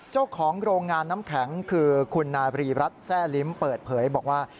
เจ้าของโรงงานน้ำแข็งคือคุณนาบรีรัฐแซ่ลิ้มเปิดเผยบอกว่า